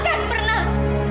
tidak akan pernah